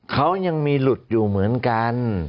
เขายังมีหลุดอยู่เหมือนกัน